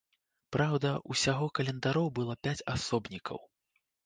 Праўда, усяго календароў было пяць асобнікаў.